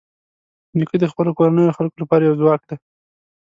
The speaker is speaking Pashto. نیکه د خپلو کورنیو خلکو لپاره یو ځواک دی.